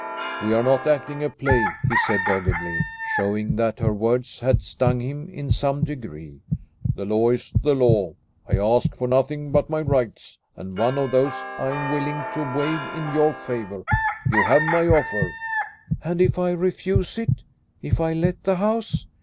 "We are not acting a play," he said doggedly, showing that her words had stung him in some degree. "The law is the law. I ask for nothing but my rights, and one of those I am willing to waive in your favor. You have my offer." "And if I refuse it? If I let the house?